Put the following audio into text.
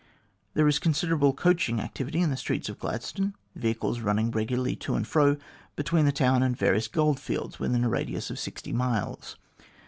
There is considerable coaching activity in the streets of Gladstone, vehicles running regularly to and fro between the town and the various goldfields within a radius of sixty miles.